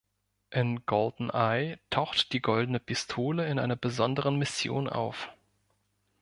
In „GoldenEye“ taucht die goldene Pistole in einer besonderen Mission auf.